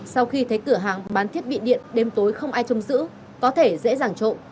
sau khi thấy cửa hàng bán thiết bị điện đêm tối không ai trông giữ có thể dễ dàng trộm